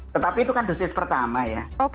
tetapi itu kan dosis pertama ya